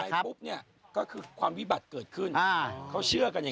แต่ใครเอาไปปุ๊บนี่ก็คือความวิบัติเกิดขึ้นเขาเชื่อกันอย่างนี้